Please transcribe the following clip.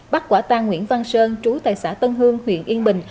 bắt quả tang nguyễn văn sơn trú tại xã tân hương huyện yên bình